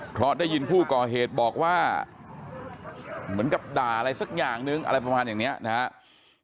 เพราะได้ยินผู้ก่อเหตุบอกว่าเหมือนกับด่าอะไรสักอย่างนึงอะไรประมาณอย่างนี้นะครับ